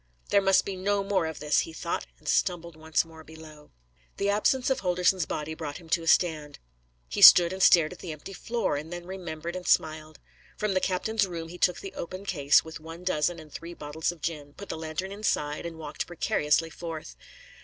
"There must be no more of this," he thought, and stumbled once more below. The absence of Holdorsen's body brought him to a stand. He stood and stared at the empty floor, and then remembered and smiled. From the captain's room he took the open case with one dozen and three bottles of gin, put the lantern inside, and walked precariously forth.